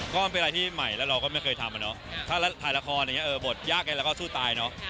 ก็มันเป็นอะไรที่ใหม่แล้วเราก็ไม่เคยทำอะเนาะถ้าถ่ายละครอย่างนี้เออบทยากไงเราก็สู้ตายเนอะ